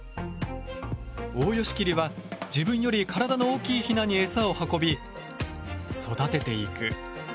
オオヨシキリは自分より体の大きいヒナにエサを運び育てていく。